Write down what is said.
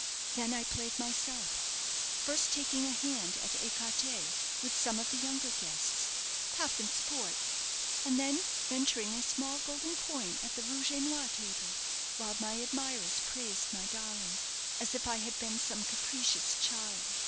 Then I played myself, first taking a hand at écarté with some of the younger guests, half in sport, and then venturing a small golden coin at the rouge et noir table, while my admirers praised my daring, as if I had been some capricious child.